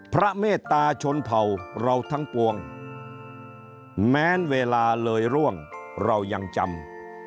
เมตตาชนเผ่าเราทั้งปวงแม้เวลาเลยร่วงเรายังจำ